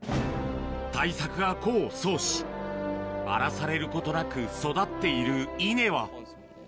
対策が功を奏し、荒らされることなく育っている稲は。